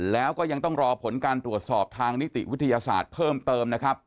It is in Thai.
แล้วก็ยังต้องรอผลการตรวจสอบทางนิติวิทยาศาสตร์เพิ่มเติมนะครับ